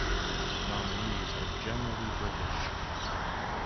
Nominees are generally British.